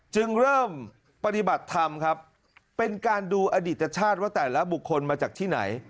จึงเริ่มปฏิบัติธรรมครับเป็นการดูอดีตชาติว่าแต่ละบุคคลมาจากที่ไหน